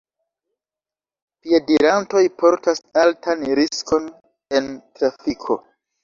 Piedirantoj portas altan riskon en trafiko.